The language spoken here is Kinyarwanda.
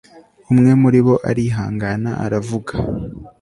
umwe muribo arihangana aravuga